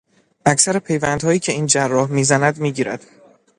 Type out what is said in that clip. اکثر پیوندهایی که این جراح میزند میگیرد.